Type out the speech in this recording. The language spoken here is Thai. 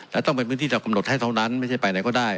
และต้องเป็นพื้นที่เรากำหนดให้เท่านั้นไม่ใช่ไปไหนก็ได้